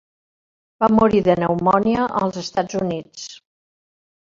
Va morir de pneumònia als Estats Units.